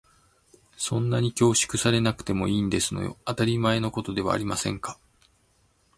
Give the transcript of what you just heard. そんなに恐縮されなくてもいいんですのよ。当たり前のことではありませんか。